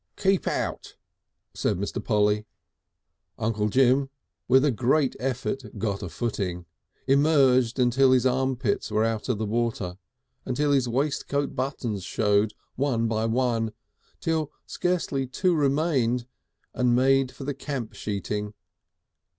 "Keep out," said Mr. Polly. Uncle Jim with a great effort got a footing, emerged until his arm pits were out of water, until his waistcoat buttons showed, one by one, till scarcely two remained, and made for the camp sheeting.